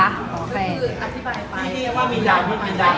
๒ล้าน๒นะคะ